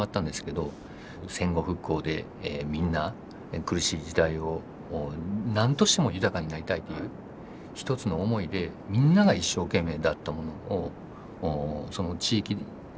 戦後復興でみんな苦しい時代をもうなんとしても豊かになりたいという一つの思いでみんなが一生懸命だったものを地域としてちょっとかぶってしまった。